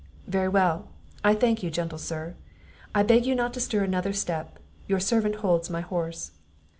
"Very well; I thank you, gentle Sir; I beg you not to stir another step, your servant holds my horse."